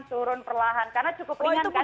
turun perlahan karena cukup ringan kan